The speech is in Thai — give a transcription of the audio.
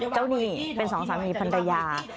จาวนี่เป็นสองสามีพันรยาเนี่ย